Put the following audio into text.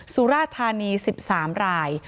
สุราธานี๑๓ราย